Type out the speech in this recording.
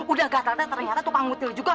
udah gatel teh ternyata tupang mutil juga